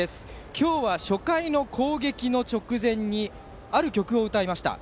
今日は初回の攻撃の直前にある曲を歌いました。